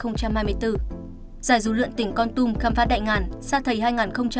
giải du lượn tỉnh con tum khám phá đại ngàn sa thầy hai nghìn hai mươi bốn